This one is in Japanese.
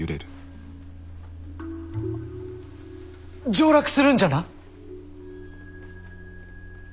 上洛するんじゃな？